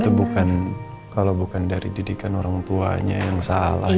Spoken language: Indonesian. itu bukan kalau bukan dari didikan orang tuanya yang salah